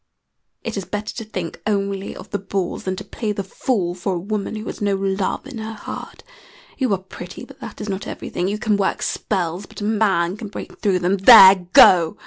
It is better to think only of the bulls than to play the fool for a woman who has no love in her heart. You are pretty, but that is not everything. You can work spells, but a man can break through them. There! Go!"